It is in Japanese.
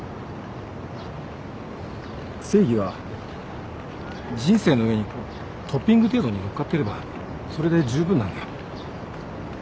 正義は人生の上にトッピング程度に載っかってればそれで十分なんだよ。